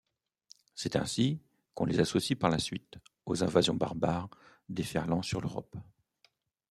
C’est ainsi, qu’on les associe par la suite, aux invasions barbares déferlant sur l’Europe.